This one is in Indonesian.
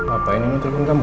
apa ini nutrican kamu